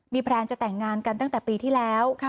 แพลนจะแต่งงานกันตั้งแต่ปีที่แล้ว